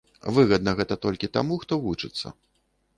Выгадна гэта толькі таму, хто вучыцца.